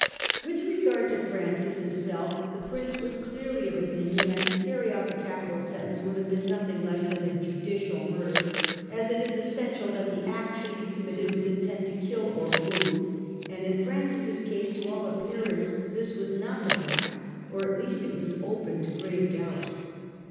With regard to Francis himself, the Prince was clearly of opinion that to carry out the capital sentence would have been nothing less than a judicial murder, as it is essential that the act should be committed with intent to kill or wound, and in Francis's case to all appearance this was not the fact, or at least it was open to grave doubt.